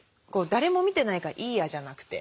「誰も見てないからいいや」じゃなくて。